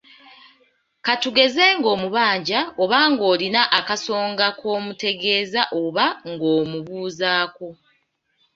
Ka tugeze ng’omubanja oba ng’olina akasongasonga k’omutegeeza oba ng’omubuuzaako.